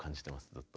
ずっと。